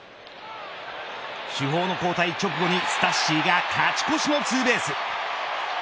主砲の交代直後にスタッシーが勝ち越しのツーベース。